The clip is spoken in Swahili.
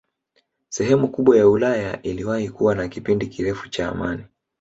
Sehemu kubwa ya Ulaya iliwahi kuwa na kipindi kirefu cha amani